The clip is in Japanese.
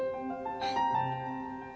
えっ。